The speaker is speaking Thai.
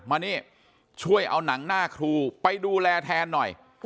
มานี่ช่วยเอาหนังหน้าครูไปดูแลแทนหน่อย